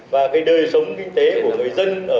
là chúng ta đã có